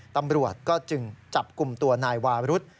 ตำรวจก็จึงจับกลุ่มตัวนายวารุธ